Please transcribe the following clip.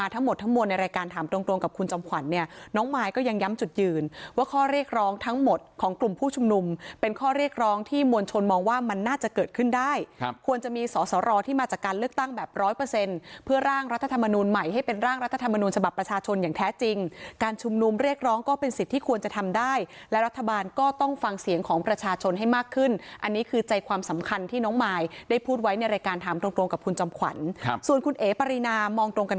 รู้หรือเปล่าครับรู้หรือเปล่าครับรู้หรือเปล่าครับรู้หรือเปล่าครับรู้หรือเปล่าครับรู้หรือเปล่าครับรู้หรือเปล่าครับรู้หรือเปล่าครับรู้หรือเปล่าครับรู้หรือเปล่าครับรู้หรือเปล่าครับรู้หรือเปล่าครับรู้หรือเปล่าครับรู้หรือเปล่าครับรู้หรือเปล่าครับรู้หรือเปล่าครับรู้หรือเปล่าครับ